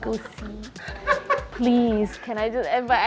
oh tuhan bolehkah saya melihatnya